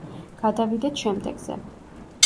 გადავიდეთ შემდეგზე.